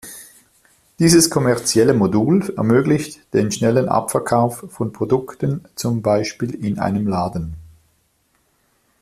Dieses kommerzielle Modul ermöglicht den schnellen Abverkauf von Produkten zum Beispiel in einem Laden.